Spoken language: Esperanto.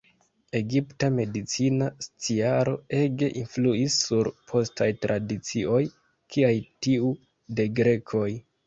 Egipta medicina sciaro ege influis sur postaj tradicioj, kiaj tiu de grekoj.